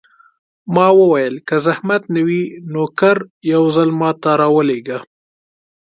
ما وویل: که زحمت نه وي، نوکر یو ځل ما ته راولېږه.